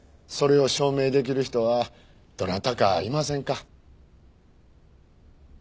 それを証明できる人はどなたかいませんか？